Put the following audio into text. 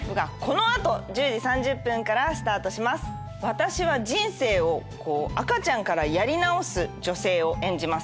私は人生を赤ちゃんからやり直す女性を演じます。